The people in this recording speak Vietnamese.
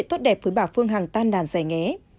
phi thanh vân cũng tốt đẹp với bà phương hằng tan đàn dài nghé